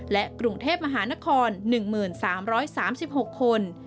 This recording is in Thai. และกรุงเทพมหานคร๑๓๓๖คน